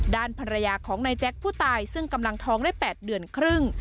ด้านภรรยาของนายแจ๊คผู้ตายซึ่งกำลังท้องได้๘เดือนครึ่ง